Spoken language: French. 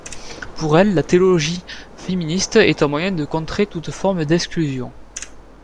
Pour elle, la théologie féministe est un moyen de contrer toute forme d'exclusion.